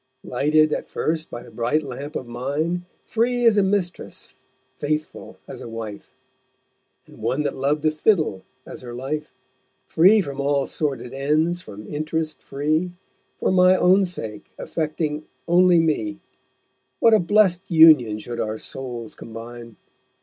Lighted at first by the bright Lamp of mine. Free as a Mistress, faithful as a wife. And one that lov'd a Fiddle as her Life, Free from all sordid Ends, from Interest free, For my own Sake affecting only me, What a blest Union should our Souls combine!